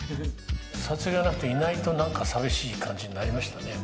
撮影がなくて、いないと寂しい感じになりましたね。